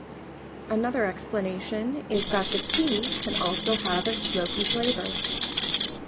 Another explanation is that the tea can also have a smoky flavor.